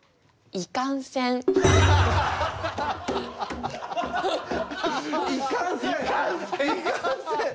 「いかんせん」。